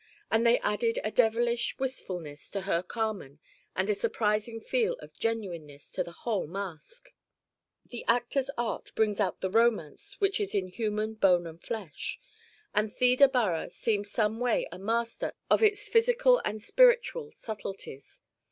And they added a devilish wistfulness to her Carmen and a surprising feel of genuineness to the whole masque. The actor's art brings out the romance which is in human bone and flesh. And Theda Bara seems someway a master of its physical and spiritual subtleties.